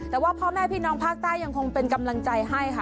แต่ว่าพ่อแม่พี่น้องภาคใต้ยังคงเป็นกำลังใจให้ค่ะ